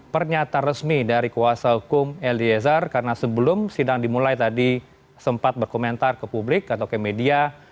pernyataan resmi dari kuasa hukum eliezer karena sebelum sidang dimulai tadi sempat berkomentar ke publik atau ke media